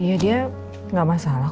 iya dia nggak masalah